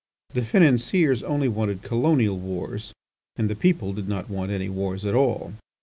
The financiers only wanted colonial wars and the people did not want any wars at all.